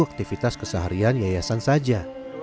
aktivitas keseharian yayasan saja